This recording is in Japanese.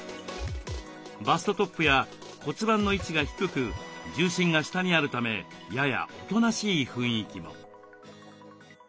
バストトップや骨盤の位置が低く重心が下にあるためややおとなしい雰囲気も。